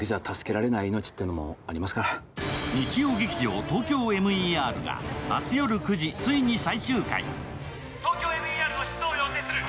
日曜劇場「ＴＯＫＹＯＭＥＲ」が明日夜９時ついに最終回。